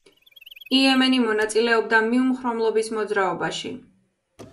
იემენი მონაწილეობდა მიუმხრობლობის მოძრაობაში.